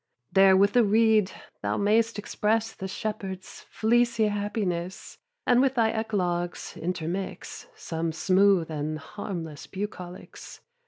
There with the reed thou mayst express The shepherd's fleecy happiness; And with thy Eclogues intermix: Some smooth and harmless Bucolics.